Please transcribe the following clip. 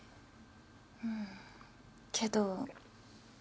うんけど。